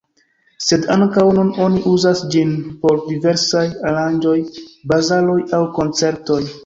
Sed ankaŭ nun oni uzas ĝin por diversaj aranĝoj, bazaroj aŭ koncertoj.